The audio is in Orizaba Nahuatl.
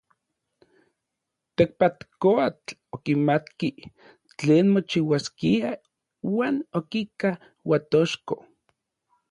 Tekpatkoatl okimatki tlen mochiuaskia uan okika Uatochko.